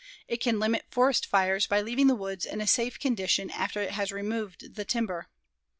It can limit forest fires by leaving the woods in a safe condition after it has removed the timber.